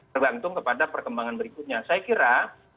tergantung kepada perkembangan berikutnya saya kira